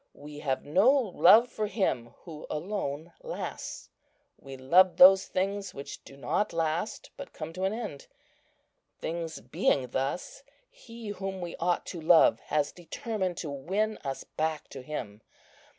We have no love for Him who alone lasts. We love those things which do not last, but come to an end. Things being thus, He whom we ought to love has determined to win us back to Him.